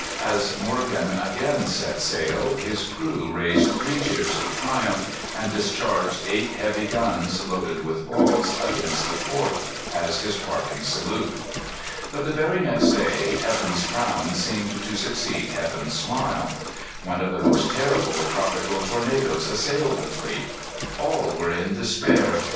As Morgan again set sail, his crews raised three cheers of triumph, and discharged eight heavy guns, loaded with balls, against the fort, as his parting salute. But the very next day, heaven's frown seemed to succeed heaven's smile. One of the most terrible of tropical tornadoes assailed the fleet. All were in despair.